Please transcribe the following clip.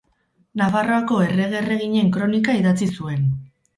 Nafarroako errege-erreginen kronika idatzi zuen.